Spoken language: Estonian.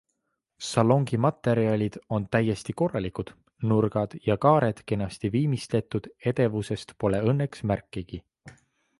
Salongi materjalid on täiesti korralikud, nurgad ja kaared kenasti viimistletud, edevusest pole õnneks märkigi.